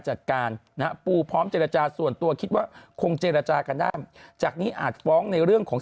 จัดการนะฮะปูพร้อมเจรจาส่วนตัวคิดว่าคงเจรจากันได้จากนี้อาจฟ้องในเรื่องของ